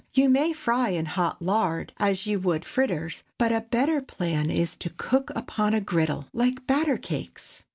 You may fry in hot lard, as you would fritters, but a better plan is to cook upon a griddle, like batter cakes.